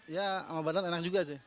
ya sama badan enak juga sih